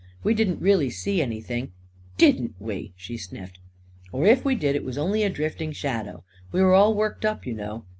We didn't really see anything ..."" Didn't we !" she sniffed. 44 Or if we did, it was only a drifting shadow. We were all worked up, you know."